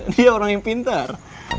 dia orang yang pintar